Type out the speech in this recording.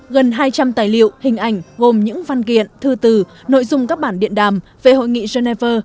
gần hai trăm linh tài liệu hình ảnh gồm những văn kiện thư từ nội dung các bản điện đàm về hội nghị geneva